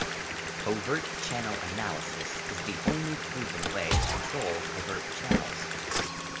Covert channel analysis is the only proven way to control covert channels.